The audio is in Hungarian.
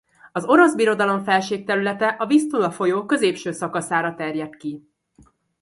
Az Orosz Birodalom felségterülete a Visztula folyó középső szakaszára terjedt ki.